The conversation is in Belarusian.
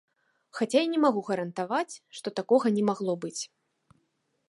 Хаця і не магу гарантаваць, што такога не магло быць.